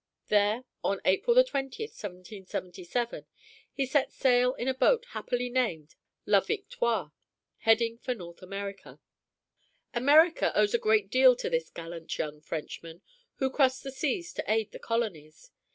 There, on April 20, 1777, he set sail in a boat happily named La Victoire, heading for North America. America owes a great deal to this gallant young Frenchman who crossed the seas to aid the colonies.